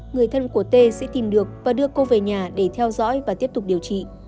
người thân của tê sẽ tìm được và đưa cô về nhà để theo dõi và tiếp tục điều trị